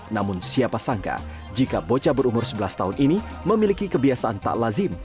namun siapa sangka jika bocah berumur sebelas tahun ini memiliki kebiasaan tak lazim